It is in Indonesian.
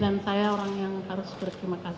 dan saya orang yang harus berterima kasih